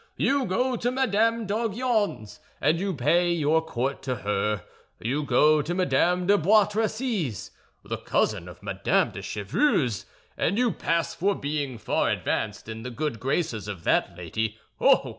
You go to Madame d'Aguillon's, and you pay your court to her; you go to Madame de Bois Tracy's, the cousin of Madame de Chevreuse, and you pass for being far advanced in the good graces of that lady.